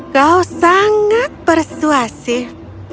kau sangat persuasif